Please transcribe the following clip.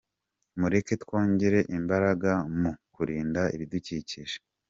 Mureke twongere imbaraga mu kurinda ibidukikije.